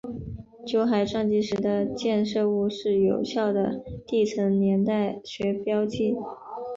酒海撞击时的溅射物是有效的地层年代学标记。